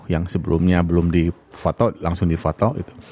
yang sebelumnya belum di foto langsung di foto